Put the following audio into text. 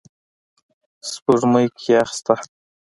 سپوږمۍ کې یخ شته